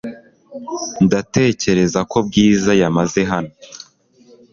Ndatekereza ko Bwiza yamaze hano .